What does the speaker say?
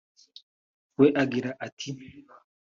we agira ati